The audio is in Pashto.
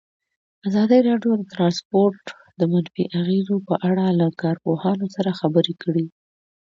ازادي راډیو د ترانسپورټ د منفي اغېزو په اړه له کارپوهانو سره خبرې کړي.